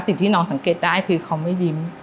สิ่งที่น้องสังเกตได้คือเขาไม่ยิ้ม